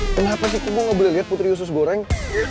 kenapa sih gue ngebeli liat putri yusus goreng